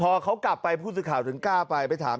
พอเขากลับไปผู้สื่อข่าวถึงกล้าไปไปถาม